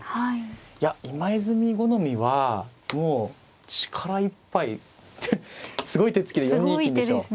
いや今泉好みはもう力いっぱいすごい手つきで４二金でしょう。